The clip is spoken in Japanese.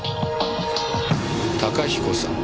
高彦さん